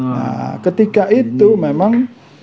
nah ketika itu memang